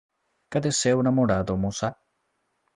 Cadê seu namorado, moça?